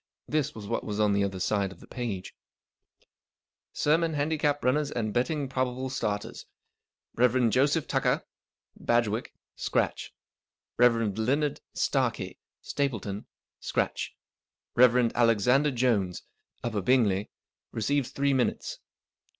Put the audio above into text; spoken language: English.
This was what was on the other side of the last page:— SERMON HANDICAP RUNNERS AND BETTING PROBABLE STARTERS. Rev. Joseph Tucker (Badgwick), scratch. Rev. Leonard Starkie (Stapleton), scratch. Rev. Alexander Jones (Upper Bingley), receives three minutes.